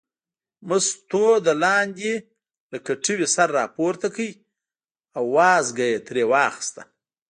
مستو د لاندې له کټوې سر راپورته کړ او وازده یې ترېنه واخیسته.